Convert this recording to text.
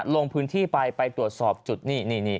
ลงพื้นที่ไปไปตรวจสอบจุดนี่